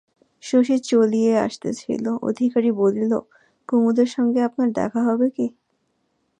শশী চলিয়া আসিতেছিল, অধিকারী বলিল, কুমুদের সঙ্গে আপনার দেখা হবে কি?